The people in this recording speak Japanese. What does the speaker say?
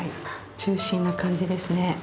ジューシーな感じですね。